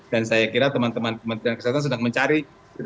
dan saya kira teman teman kementerian kesehatan sedang mencari